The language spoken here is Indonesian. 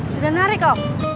sudah ngarik o